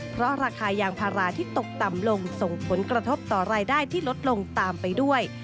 เพราะราคายางพาราที่ตกต่ำลงส่งผลกระทบต่อรายได้ที่ลดลงตามไปด้วย